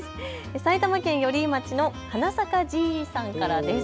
埼玉県寄居町の花咲かじいさんからです。